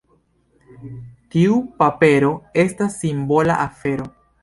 Tiu papero estas simbola afero.